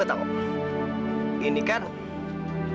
mawar kenny yang manis